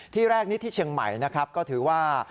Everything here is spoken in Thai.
ที่แรกนี้ที่เชียงใหม่ก็ถือว่า